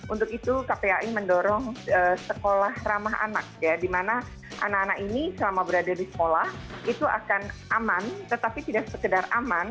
untuk itu kpai mendorong sekolah ramah anak ya di mana anak anak ini selama berada di sekolah itu akan aman tetapi tidak sekedar aman